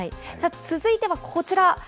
続いてはこちら。